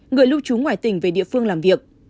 người lưu trú ngoài tỉnh về địa phương làm việc